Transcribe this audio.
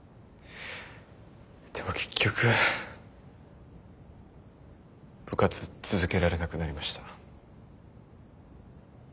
でも結局部活続けられなくなりました。